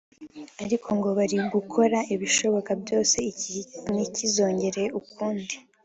ariko ngo bari gukora ibishoboka byose iki ntikizongere ukundi